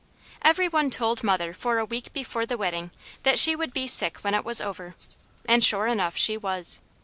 Every one told mother for a week before the wedding that she would be sick when it was over, and sure enough she was.